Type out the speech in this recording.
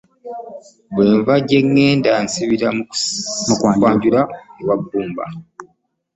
Bwe nva gye ŋŋenda nsibira mu kwanjula ewa Bbumba.